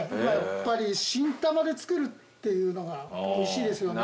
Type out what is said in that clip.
やっぱり新タマで作るっていうのがおいしいですよね。